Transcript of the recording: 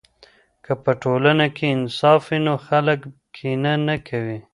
که په ټولنه کې انصاف وي نو خلک کینه نه کوي.